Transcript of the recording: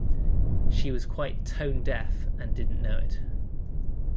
She was quite tone-deaf, and didn't know it.